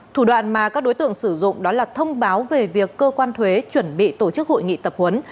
thủ đoạn mà các đối tượng sử dụng đó là thông báo về việc cơ quan thuế chuẩn bị tổ chức hội nghị tập huấn